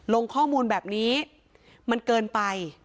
ลงข้อมูลแบบนี้มันเกินไป